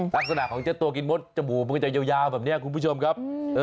ลักษณะของเจ้าตัวกินมดจมูกมันก็จะยาวแบบนี้คุณผู้ชมครับ